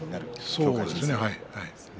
そうですね。